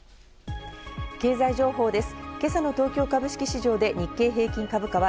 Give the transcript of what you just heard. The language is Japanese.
経済情報です。